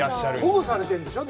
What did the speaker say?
保護されているんでしょう？